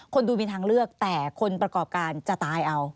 คนดูมีทางเลือกแต่คนประกอบการจะตายเอา